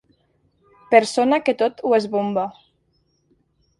Persona que tot ho esbomba.